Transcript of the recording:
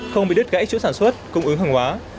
không bị đứt gãy chuỗi sản xuất cung ứng hàng hóa